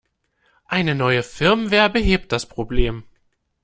Eine neue Firmware behebt das Problem.